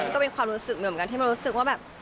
ก็เป็นความรู้สึกเหมือนกันที่มันรู้สึกว่าแบบ